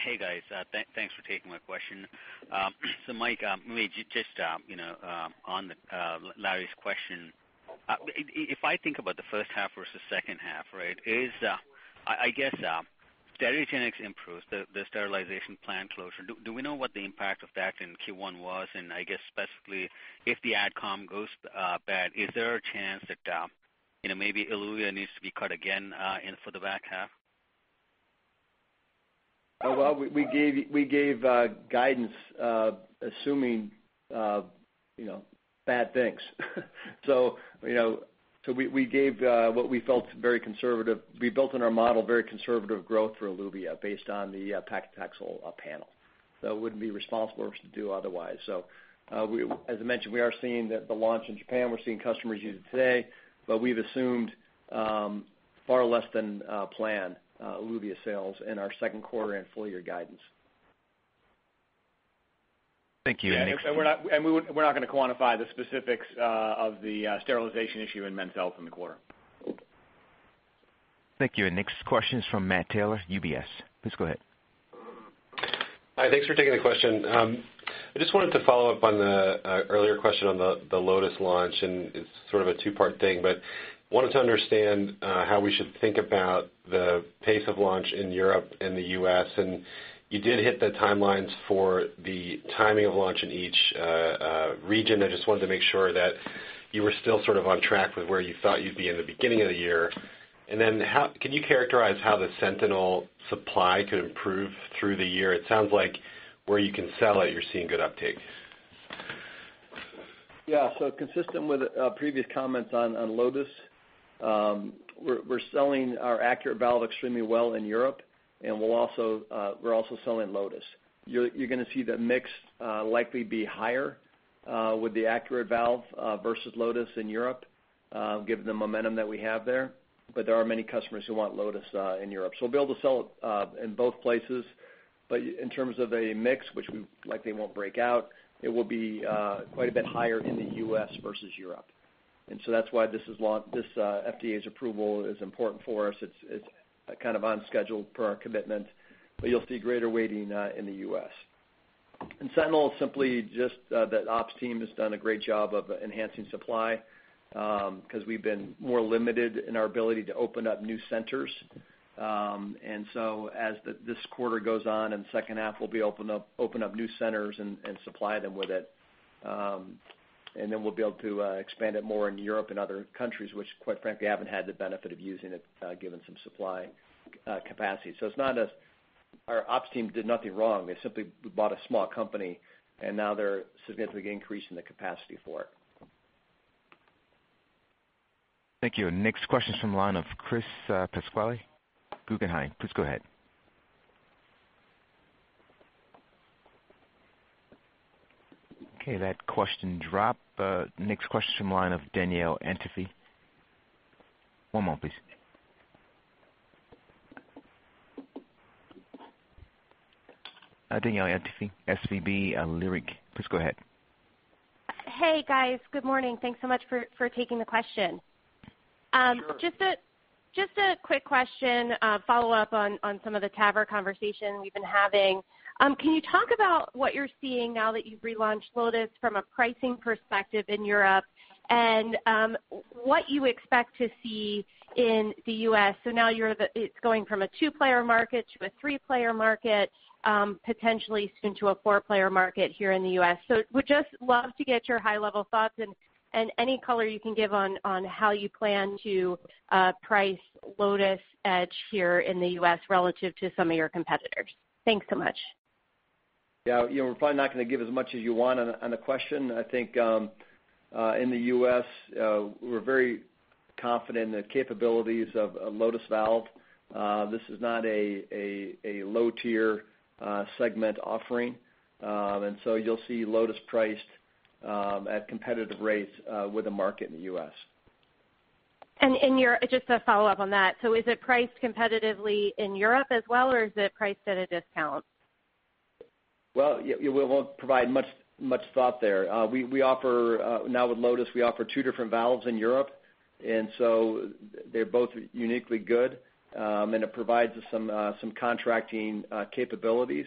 Hey, guys. Thanks for taking my question. Mike, maybe just on Larry's question, if I think about the first half versus second half, right? I guess, Sterigenics improves the sterilization plant closure. Do we know what the impact of that in Q1 was? I guess specifically, if the AdCom goes bad, is there a chance that maybe ELUVIA needs to be cut again for the back half? Well, we gave guidance assuming bad things. We gave what we felt very conservative. We built in our model very conservative growth for ELUVIA based on the paclitaxel panel. It wouldn't be responsible for us to do otherwise. As I mentioned, we are seeing the launch in Japan. We're seeing customers use it today, but we've assumed far less than planned ELUVIA sales in our second quarter and full year guidance. Thank you. Yeah, we're not going to quantify the specifics of the sterilization issue in Men's Health from the quarter. Thank you. Next question is from Matt Taylor, UBS. Please go ahead. Hi, thanks for taking the question. I just wanted to follow up on the earlier question on the LOTUS launch, it's sort of a two-part thing, but wanted to understand how we should think about the pace of launch in Europe and the U.S. You did hit the timelines for the timing of launch in each region. I just wanted to make sure that you were still sort of on track with where you thought you'd be in the beginning of the year. Can you characterize how the SENTINEL supply could improve through the year? It sounds like where you can sell it, you're seeing good uptake. Yeah. Consistent with previous comments on Lotus, we're selling our ACURATE valve extremely well in Europe, we're also selling Lotus. You're going to see the mix likely be higher with the ACURATE valve versus Lotus in Europe given the momentum that we have there. There are many customers who want Lotus in Europe. We'll be able to sell it in both places. In terms of a mix, which we likely won't break out, it will be quite a bit higher in the U.S. versus Europe. That's why this FDA's approval is important for us. It's kind of on schedule per our commitment, but you'll see greater weighting in the U.S. SENTINEL is simply just that ops team has done a great job of enhancing supply because we've been more limited in our ability to open up new centers. As this quarter goes on and second half, we'll open up new centers and supply them with it. We'll be able to expand it more in Europe and other countries which quite frankly haven't had the benefit of using it given some supply capacity. Our ops team did nothing wrong. It's simply we bought a small company and now they're significantly increasing the capacity for it. Thank you. Next question is from the line of Chris Pasquale, Guggenheim. Please go ahead. Okay, that question dropped. Next question from the line of Danielle Antalffy. One moment please. Danielle Antalffy, SVB Leerink, please go ahead. Hey, guys. Good morning. Thanks so much for taking the question. Sure. Just a quick question, a follow-up on some of the TAVR conversation we've been having. Can you talk about what you're seeing now that you've relaunched Lotus from a pricing perspective in Europe and what you expect to see in the U.S.? Now it's going from a two-player market to a three-player market, potentially soon to a four-player market here in the U.S. Would just love to get your high-level thoughts and any color you can give on how you plan to price LOTUS Edge here in the U.S. relative to some of your competitors. Thanks so much. Yeah. We're probably not going to give as much as you want on the question. I think, in the U.S., we're very confident in the capabilities of a Lotus valve. This is not a low-tier segment offering. You'll see Lotus priced at competitive rates with the market in the U.S. Just to follow up on that, is it priced competitively in Europe as well, or is it priced at a discount? Well, we won't provide much thought there. Now with LOTUS, we offer two different valves in Europe, they're both uniquely good. It provides us some contracting capabilities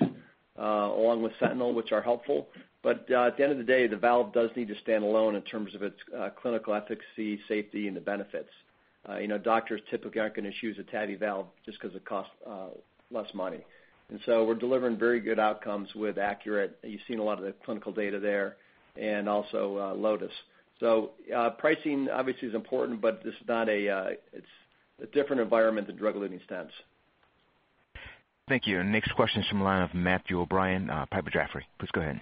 along with SENTINEL, which are helpful. At the end of the day, the valve does need to stand alone in terms of its clinical efficacy, safety, and the benefits. Doctors typically aren't going to choose a TAVI valve just because it costs less money. We're delivering very good outcomes with ACURATE. You've seen a lot of the clinical data there and also LOTUS. Pricing obviously is important, but it's a different environment than drug-eluting stents. Thank you. Next question is from the line of Matthew O'Brien, Piper Jaffray. Please go ahead.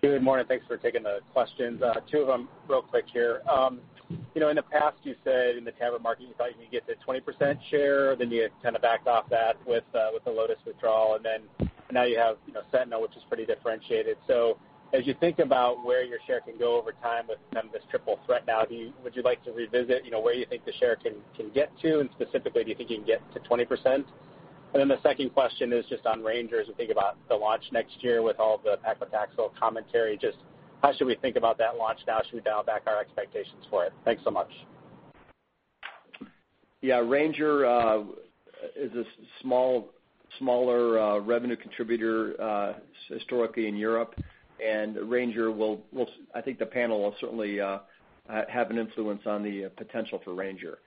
Good morning. Thanks for taking the questions. Two of them real quick here. In the past, you said in the TAVR market, you thought you could get to 20% share, then you kind of backed off that with the LOTUS withdrawal. Now you have SENTINEL, which is pretty differentiated. As you think about where your share can go over time with this triple threat now, would you like to revisit where you think the share can get to? Specifically, do you think you can get to 20%? The second question is just on RANGER as we think about the launch next year with all the paclitaxel commentary. Just how should we think about that launch now? Should we dial back our expectations for it? Thanks so much. Yeah. Ranger is a smaller revenue contributor historically in Europe. Ranger will I think the panel will certainly have an influence on the potential for Ranger.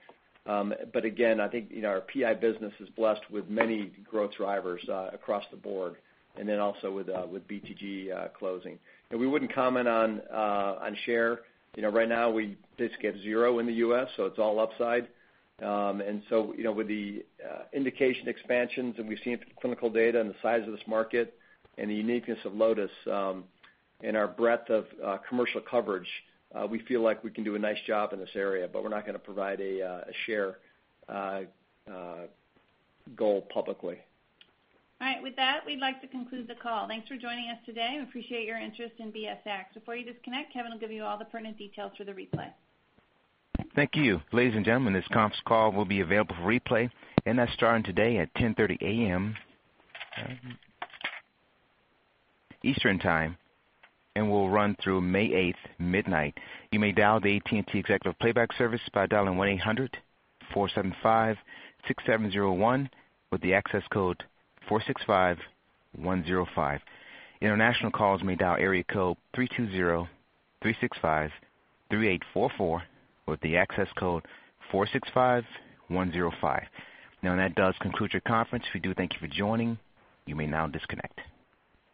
Again, I think our PI business is blessed with many growth drivers across the board and then also with BTG closing. We wouldn't comment on share. Right now we basically have 0 in the U.S., so it's all upside. With the indication expansions and we've seen clinical data and the size of this market and the uniqueness of Lotus and our breadth of commercial coverage, we feel like we can do a nice job in this area, but we're not going to provide a share goal publicly. All right. With that, we'd like to conclude the call. Thanks for joining us today. We appreciate your interest in BSX. Before you disconnect, Kevin will give you all the pertinent details for the replay. Thank you. Ladies and gentlemen, this conf call will be available for replay, that's starting today at 10:30 A.M. Eastern Time and will run through May 8th, midnight. You may dial the AT&T Executive Playback service by dialing 1-800-475-6701 with the access code 465105. International calls may dial area code 320-365-3844 with the access code 465105. That does conclude your conference. We do thank you for joining. You may now disconnect.